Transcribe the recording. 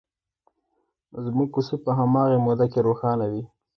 زموږ کوڅه په هماغې موده کې روښانه وي.